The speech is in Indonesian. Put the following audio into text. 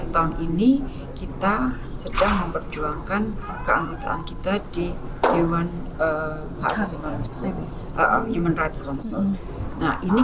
tahun ini kita sedang memperjuangkan keanggotaan kita di dewan hak asasi manusia human rights council nah ini